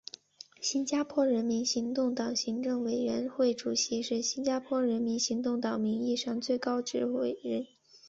新加坡人民行动党行政委员会主席是新加坡人民行动党的名义上的最高领导人。